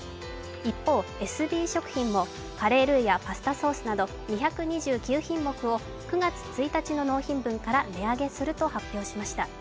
一方、エスビー食品もカレールーやパスタソースなど２２９品目を９月１日の納品分から値上げすると発表しました。